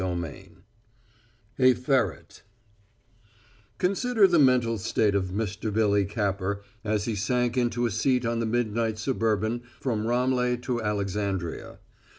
CHAPTER V A FERRET Consider the mental state of Mr. Billy Capper as he sank into a seat on the midnight suburban from Ramleh to Alexandria.